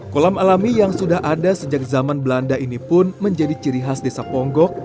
kolam alami yang sudah ada sejak zaman belanda ini pun menjadi ciri khas desa ponggok